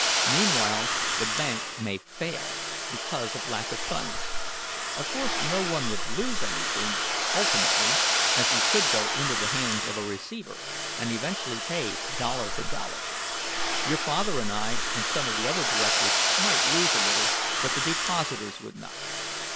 Meanwhile the bank may fail, because of lack of funds. Of course no one would lose anything, ultimately, as we could go into the hands of a receiver, and, eventually pay dollar for dollar. Your father and I, and some of the other directors, might lose a little, but the depositors would not.